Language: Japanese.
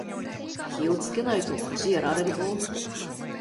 気をつけないと腰やられるぞ